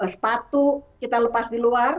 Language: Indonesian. sepatu kita lepas di luar